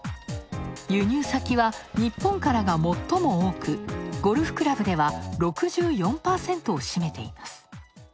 輸入先は日本からが最も多くゴルフクラブでは６４％を占めています。